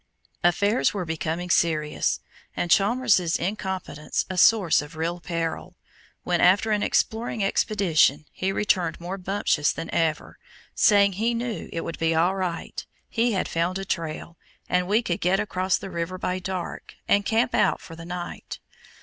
Affairs were becoming serious, and Chalmers's incompetence a source of real peril, when, after an exploring expedition, he returned more bumptious than ever, saying he knew it would be all right, he had found a trail, and we could get across the river by dark, and camp out for the night.